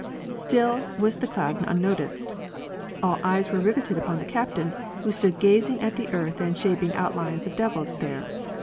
Still was the cloud unnoticed. All eyes were riveted upon the Captain, who stood gazing at the earth and shaping outlines of devils there.